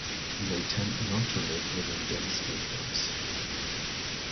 They tend not to live within dense drift ice.